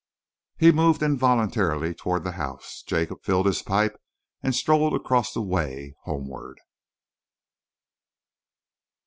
He moved involuntarily towards the house. Jacob filled his pipe and strolled across the way, homewards.